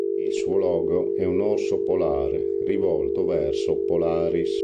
Il suo logo è un orso polare rivolto verso Polaris.